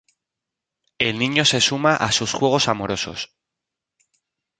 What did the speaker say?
El niño se suma a sus juegos amorosos.